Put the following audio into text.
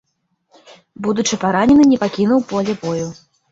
Будучы паранены не пакінуў поля бою.